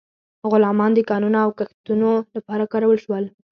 غلامان د کانونو او کښتونو لپاره کارول شول.